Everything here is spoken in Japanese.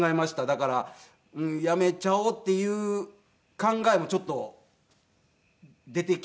だから辞めちゃおうっていう考えもちょっと出てきた時もありました。